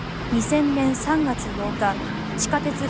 ２０００年３月８日地下鉄